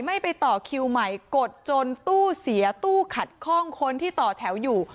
ไม่ไปต่อคิวใหม่กดจนตู้เสียตู้ขัดคล่องคนที่ต่อแถวอยู่